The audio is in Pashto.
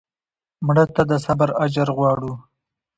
مړه ته د صبر اجر غواړو